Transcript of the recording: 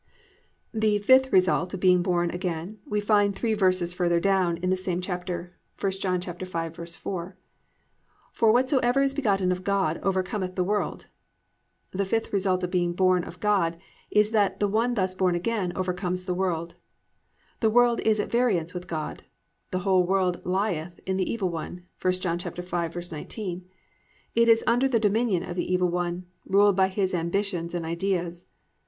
"+ 5. The fifth result of being born again we find three verses further down in this same chapter, 1 John 5:4: +"For whatsoever is begotten of God overcometh the world."+ The fifth result of being born of God is that the one thus born again overcomes the world. The world is at variance with God, +"The whole world lieth in the Evil One"+ (1 John 5:19). It is under the dominion of the Evil One, ruled by his ambitions and ideas.